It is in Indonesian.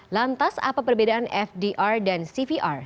lantas apa perbedaan fdr dan cvr